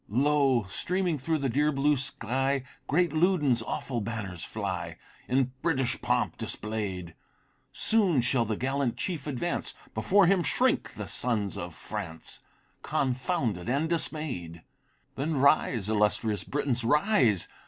Lo! streaming through the dear blue sky, Great Loudon's awful banners fly, In British pomp display'd! Soon shall the gallant chief advance; Before him shrink the sons of France, Confounded and dismay'd. Then rise, illustrious Britons, rise!